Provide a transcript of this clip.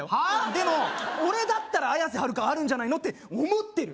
でも俺だったら綾瀬はるかはあるんじゃないのって思ってる！